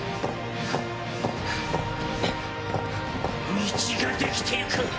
道が出来てゆく！